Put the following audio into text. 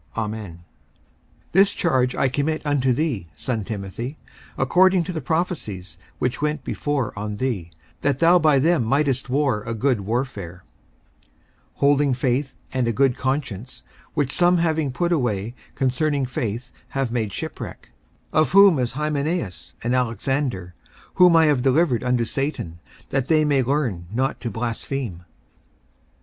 Amen. 54:001:018 This charge I commit unto thee, son Timothy, according to the prophecies which went before on thee, that thou by them mightest war a good warfare; 54:001:019 Holding faith, and a good conscience; which some having put away concerning faith have made shipwreck: 54:001:020 Of whom is Hymenaeus and Alexander; whom I have delivered unto Satan, that they may learn not to blaspheme.